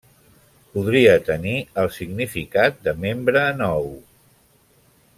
Podria tenir el significat de nombre nou.